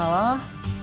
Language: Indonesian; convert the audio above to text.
kapan mau ketemu saya